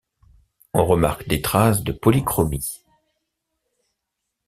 On remarque des traces de polychromie.